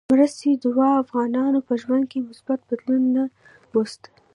مرستې د عادي افغانانو په ژوند کې مثبت بدلون نه وست.